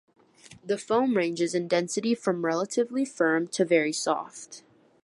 The foam ranges in density from relatively firm to very soft.